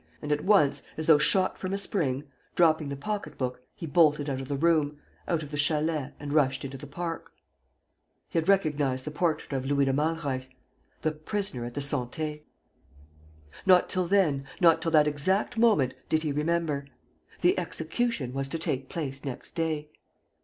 And, at once, as though shot from a spring, dropping the pocket book, he bolted out of the room, out of the chalet and rushed into the park. He had recognized the portrait of Louis de Malreich, the prisoner at the Santé! Not till then, not till that exact moment did he remember: the execution was to take place next day.